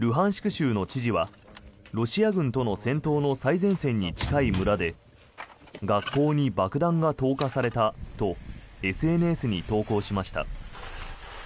州の知事はロシア軍との戦闘の最前線に近い村で学校に爆弾が投下されたとＳＮＳに投稿しました。